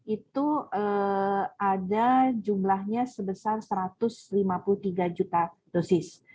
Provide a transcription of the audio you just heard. itu ada jumlahnya sebesar satu ratus lima puluh tiga juta dosis